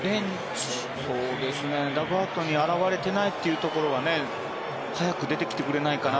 ダッグアウトに現れてないというところは早く出てきてくれないかなと。